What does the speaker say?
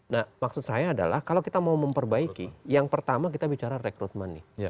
nah maksud saya adalah kalau kita mau memperbaiki yang pertama kita bicara rekrutmen nih